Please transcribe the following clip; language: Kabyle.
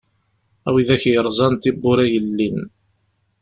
A widak yeṛẓan tibbura yellin.